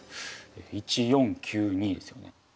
１４９２ですよね。